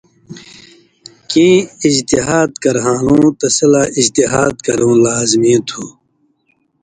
کیں اجتہاد کرہالُوں تسی لا اجتہاد کرؤں لازمی تُھو۔